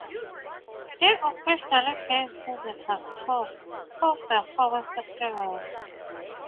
He occasionally gave visitors tours of the former settlement.